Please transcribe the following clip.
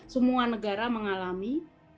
semua negara mengalami